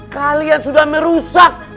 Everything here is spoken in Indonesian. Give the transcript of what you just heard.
kalian sudah merusak